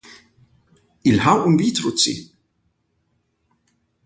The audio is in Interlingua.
Il ha un vitro ci.